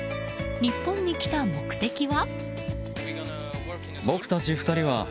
日本に来た目的は？